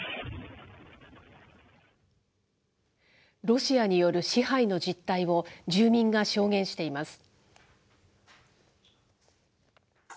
ロシアによる支配の実態を、住民が証言しています。